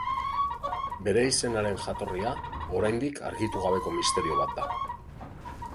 Bere izenaren jatorria, oraindik argitu gabeko misterio bat da.